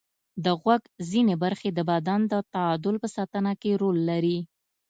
د غوږ ځینې برخې د بدن د تعادل په ساتنه کې رول لري.